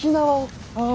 ああ！